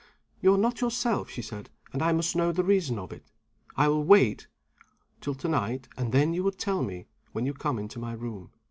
"You are not yourself," she said, "and I must know the reason of it. I will wait till to night; and then you will tell me, when you come into my room.